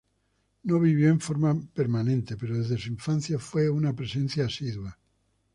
No vivió en forma permanente, pero desde su infancia fue una presencia asidua.